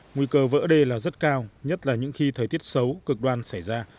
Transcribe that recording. nguy cơ vỡ đê là rất cao nhất là những khi thời tiết xấu cực đoan xảy ra